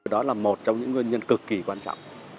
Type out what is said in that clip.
đó là một trong những nguyên nhân cực kỳ quan trọng